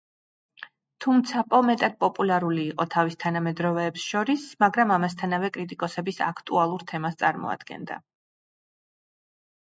თუმცა, პო მეტად პოპულარული იყო თავის თანამედროვეებს შორის, მაგრამ ამასთანავე კრიტიკოსების აქტუალურ თემას წარმოადგენდა.